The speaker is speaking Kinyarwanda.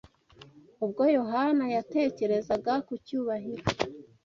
Ubwo Yohana yatekerezaga ku cyubahiro